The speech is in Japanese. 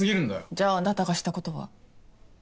じゃああなたがしたことは？